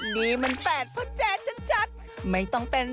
นี่มันแฟดเพอร์เจ๊ชะชัดไม่ต้องเป็น